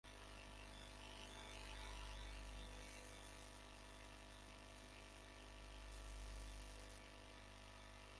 এটি বাংলাদেশের উত্তর-পশ্চিমাঞ্চলের লালমনিরহাট জেলার একটি নদী।